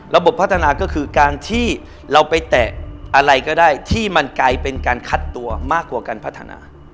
พัฒนาก็คือการที่เราไปแตะอะไรก็ได้ที่มันกลายเป็นการคัดตัวมากกว่าการพัฒนา